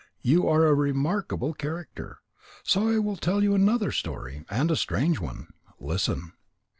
You are a remarkable character. So I will tell you another story, and a strange one. Listen."